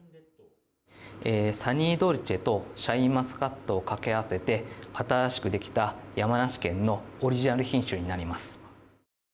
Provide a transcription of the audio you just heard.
サニードルチェとシャインマスカットかけ合わせて新しくできた山梨県のオリジナル品種になります。